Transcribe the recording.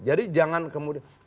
jadi jangan kemudian